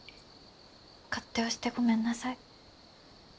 勝手をしてごめんなさい。